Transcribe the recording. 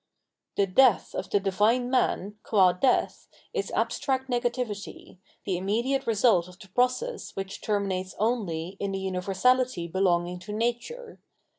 794 Phenomenology of Mind Tlie death of the Divine Man, qua death, is abstract negativity, the immediate result of the process which terminates only in the universality belonging to nature.